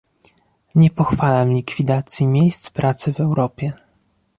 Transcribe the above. Nie pochwalam likwidacji miejsc pracy w Europie